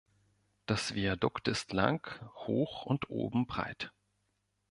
Das Viadukt ist lang, hoch und oben breit.